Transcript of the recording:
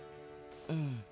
うん。